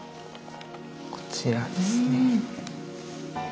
こちらですね。